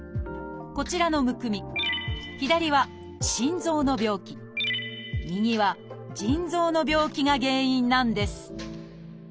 こちらのむくみ左は心臓の病気右は腎臓の病気が原因なんです